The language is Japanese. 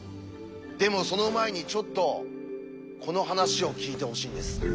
でもその前にちょっとこの話を聞いてほしいんです。